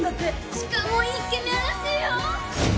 しかもイケメンらしいよ